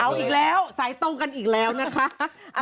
เอาอีกแล้วสายตรงกันอีกแล้วนะคะ